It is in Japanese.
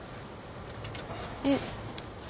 えっ？